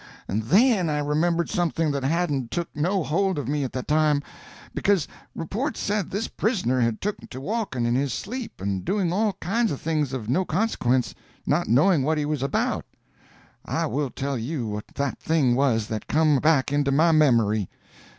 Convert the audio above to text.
And then I remembered something that hadn't took no hold of me at the time, because reports said this prisoner had took to walking in his sleep and doing all kind of things of no consequence, not knowing what he was about. I will tell you what that thing was that come back into my memory.